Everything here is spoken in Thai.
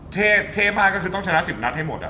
เทปภายก็คือต้องชนะ๑๐นัทให้หมดอ่ะ